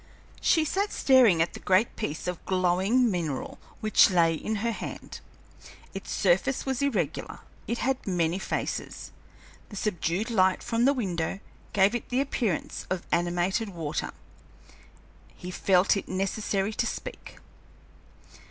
She sat staring at the great piece of glowing mineral which lay in her hand. Its surface was irregular; it had many faces; the subdued light from the window gave it the appearance of animated water. He felt it necessary to speak.